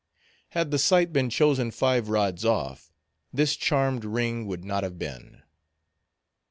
Had the site been chosen five rods off, this charmed ring would not have been.